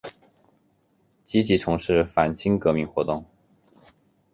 积极从事反清革命活动。